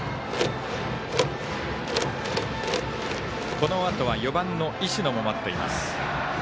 このあとは４番の石野も待っています。